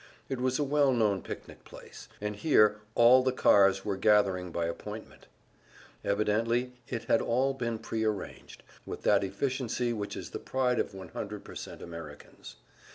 It was a well known picnic place, and here all the cars were gathering by appointment. Evidently it had all been pre arranged, with that efficiency which is the pride of 100% Americans.